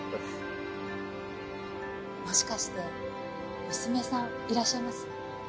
もしかして娘さんいらっしゃいます？